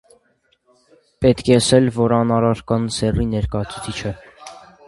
Պետք է ըսել, որ ան արական սեռի ներկայացուցիչ է։